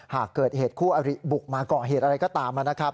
หากเกิดเหตุคู่อริบุกมาเกาะเหตุอะไรก็ตามนะครับ